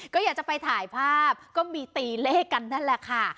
ก็อยากจะไปถ่ายภาพก็มีตีเลขกันนั่นแหละค่ะ